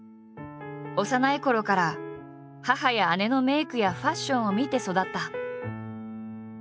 幼いころから母や姉のメイクやファッションを見て育った。